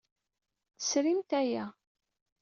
Tesrimt aya.